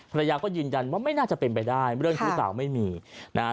ภรรยาก็ยืนยันว่าไม่น่าจะเป็นไปได้เรื่องชู้สาวไม่มีนะฮะ